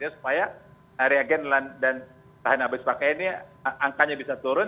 supaya reagen dan bahan habis pakai ini angkanya bisa turun